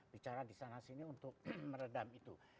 bicara disana sini untuk meredam itu